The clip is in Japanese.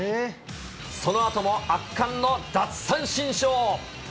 そのあとも圧巻の奪三振ショー。